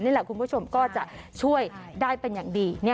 นี่แหละคุณผู้ชมก็จะช่วยได้เป็นอย่างดี